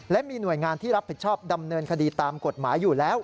และมีหน่วยงานที่รับผิดชอบดำเนินคดีตามกฎหมายอยู่แล้ว